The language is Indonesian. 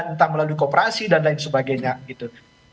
entah melalui kooperasi dan lain sebagainya gitu